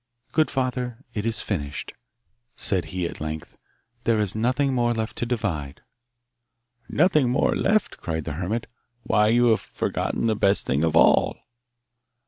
'Good father, it is finished,' said he at length; 'there is nothing more left to divide.' 'Nothing more left!' cried the hermit. 'Why, you have forgotten the best thing of all!